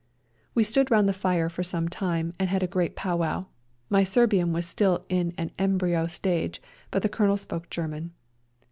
We stood roimd the fire for some time and had a great powwow; my Serbian was still in an embryo stage, but the Colonel spoke German.